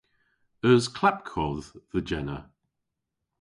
Eus klapkodh dhe Jenna?